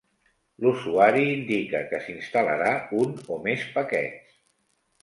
L'usuari indica que s'instal·larà un o més paquets.